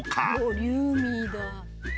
ボリューミーだ。